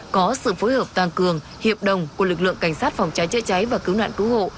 có sự phối hợp tăng cường hiệp đồng của lực lượng cảnh sát phòng cháy chữa cháy và cứu nạn cứu hộ